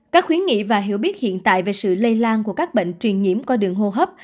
các khuyến nghị và hiểu biết hiện tại về sự lây lan của các bệnh truyền nhiễm qua đường hô hấp